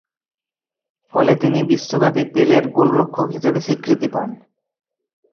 ফলে, তিনি বিশ্বব্যাপী পেলে’র গোলরক্ষক হিসেবে স্বীকৃতি পান।